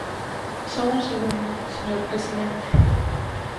Só un segundo, señor presidente.